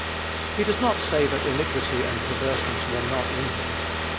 He does not say that iniquity and perverseness were not in him.